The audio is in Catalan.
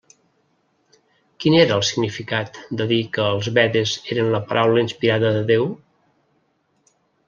Quin era el significat de dir que els Vedes eren la paraula inspirada de Déu?